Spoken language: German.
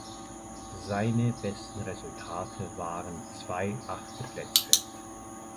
Seine besten Resultate waren zwei achte Plätze.